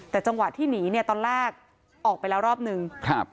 แต่จังหวะที่หนีเนี่ยตอนแรกออกไปแล้วรอบนึงครับ